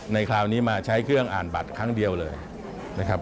คราวนี้มาใช้เครื่องอ่านบัตรครั้งเดียวเลยนะครับ